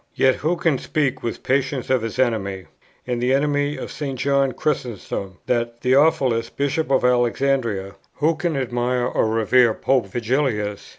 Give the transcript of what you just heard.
Yet who can speak with patience of his enemy and the enemy of St. John Chrysostom, that Theophilus, bishop of Alexandria? who can admire or revere Pope Vigilius?